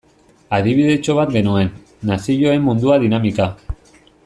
Adibidetxo bat genuen, Nazioen Mundua dinamika.